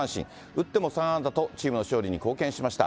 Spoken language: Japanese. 打っても３安打と、チームの勝利に貢献しました。